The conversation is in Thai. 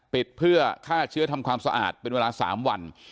ปิดเพื่อฆ่าเชื้อทำความสะอาดเป็นเวลา๓วัน